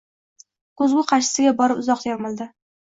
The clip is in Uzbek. Ko`zgu qarshisiga borib uzoq termildi